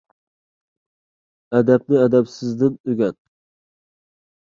ئەدەپنى ئەدەپسىزدىن ئۆگەن.